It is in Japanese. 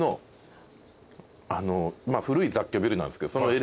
古い雑居ビルなんですけど。